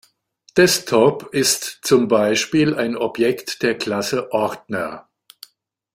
Desktop ist zum Beispiel ein Objekt der Klasse Ordner.